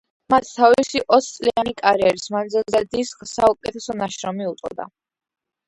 მან თავისი ოცწლიანი კარიერის მანძილზე დისკს საუკეთესო ნაშრომი უწოდა.